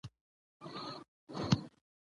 سیلاني ځایونه د اوږدمهاله پایښت لپاره مهم رول لري.